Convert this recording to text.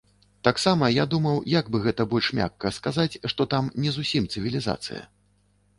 Таксама я думаў, як бы гэта больш мякка сказаць, што там не зусім цывілізацыя.